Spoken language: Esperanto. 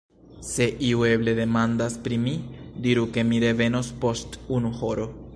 Se iu eble demandas pri mi, diru ke mi revenos post unu horo.